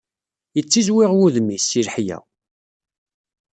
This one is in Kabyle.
Yettizwiɣ wudem-is, si leḥya.